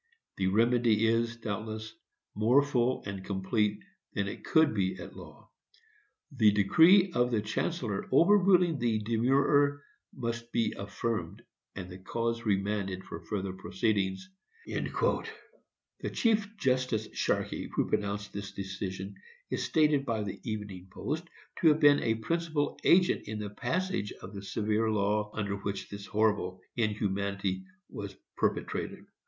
The remedy is, doubtless, more full and complete than it could be at law. The decree of the chancellor overruling the demurrer must be affirmed, and the cause remanded for further proceedings. The Chief Justice Sharkey who pronounced this decision is stated by the Evening Post to have been a principal agent in the passage of the severe law under which this horrible inhumanity was perpetrated.